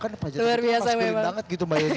kan pajat tebing pas beli banget gitu mbak yeni